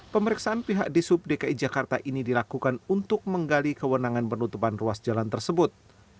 pemeriksaan pihak di sub dki jakarta ini dilakukan untuk menggali kewenangan penutupan ruas jalan tersebut